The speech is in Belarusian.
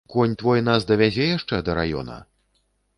Конь твой нас давязе яшчэ да раёна?